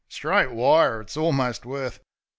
Straight wire, it's almost worth .